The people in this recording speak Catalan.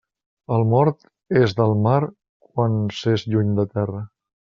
El mort és del mar quan s'és lluny de terra.